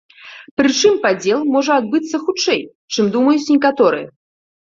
Прычым падзел можа адбыцца хутчэй, чым думаюць некаторыя.